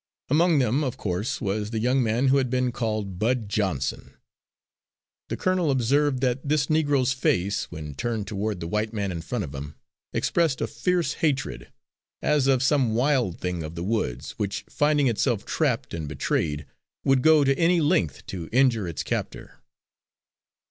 Among them, of course, was the young man who had been called Bud Johnson. The colonel observed that this Negro's face, when turned toward the white man in front of him, expressed a fierce hatred, as of some wild thing of the woods, which finding itself trapped and betrayed, would go to any length to injure its captor.